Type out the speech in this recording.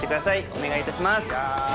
お願いいたします